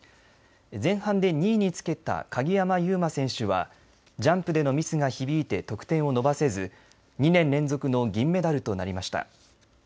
前半で２位につけた鍵山優真選手はジャンプでのミスが響いて得点を伸ばせず２年連続の銀メダルとなりました。